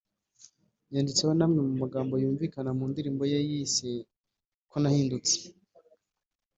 yanditseho n’amwe mu magambo yumvikana mu ndirimbo ye yise ko Nahisendutse